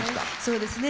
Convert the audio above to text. そうですね。